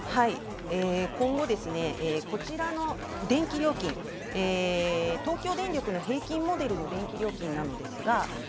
今後、こちらの電気料金、東京電力の平均モデルの電気料金です。